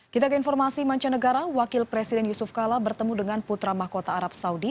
kita ke informasi mancanegara wakil presiden yusuf kala bertemu dengan putra mahkota arab saudi